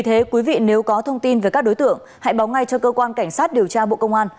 vì thế quý vị nếu có thông tin về các đối tượng hãy báo ngay cho cơ quan cảnh sát điều tra bộ công an